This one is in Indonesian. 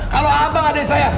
kalau abang adik saya